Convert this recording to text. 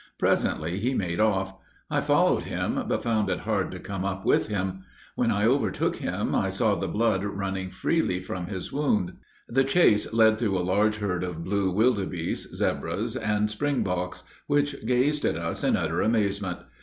Presently he made off. I followed but found it hard to come up with him. When I overtook him I saw the blood running freely from his wound. [Illustration: ESCAPE FROM THE RHINOCEROS] The chase led through a large herd of blue wildebeests, zebras, and springboks, which gazed at us in utter amazement.